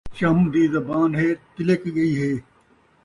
چم دی زبان ہے ، تِلک ڳئی ہے